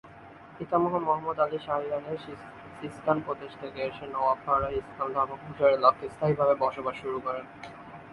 পিতামহ Muhammad Ali Shah ইরানের Sistan প্রদেশ থেকে এসে নওয়াপাড়ায় ইসলাম ধর্ম প্রচারের লক্ষ্যে স্থায়ীভাবে বসবাস শুরু করেন।